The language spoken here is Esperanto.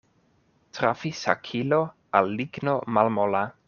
Trafis hakilo al ligno malmola.